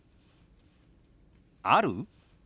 「ある？」。